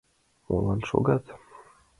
— Молан шогат?